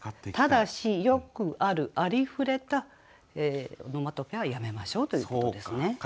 ただしよくあるありふれたオノマトペはやめましょうということですね。